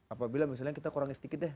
apabila misalnya kita kurangi sedikit deh